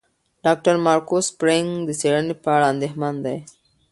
ډاکټر مارکو سپرینګ د څېړنې په اړه اندېښمن دی.